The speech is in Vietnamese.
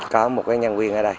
có một cái nhân viên ở đây